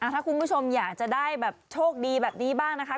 ถ้าคุณผู้ชมอยากจะได้แบบโชคดีแบบนี้บ้างนะคะ